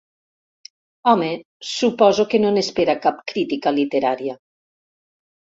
Home, suposo que no n'espera cap crítica literària.